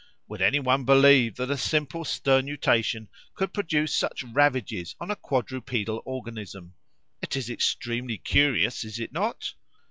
Would anyone believe that a simple sternutation could produce such ravages on a quadrupedal organism? It is extremely curious, is it not?"